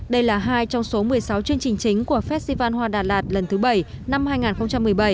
đây là hai trong số một mươi sáu chương trình chính của festival hoa đà lạt lần thứ bảy năm hai nghìn một mươi bảy